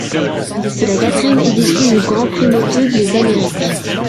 C'est la quatrième édition du Grand Prix moto des Amériques.